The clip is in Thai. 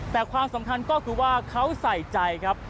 แต่ความสำคัญก็คือว่าเขาใส่ใจครับ